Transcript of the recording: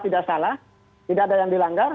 tidak salah tidak ada yang dilanggar